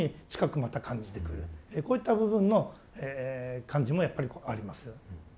こういった部分の感じもやっぱりあります。